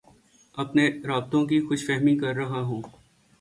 اپنے رابطوں کی خوش فہمی کررہا ہوں